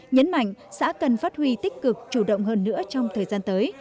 nhấn mạnh xã cần phát huy tích cực chủ động hơn nữa trong thời gian tới